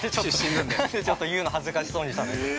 ◆なんで、ちょっと言うの恥ずかしそうにしたの、今。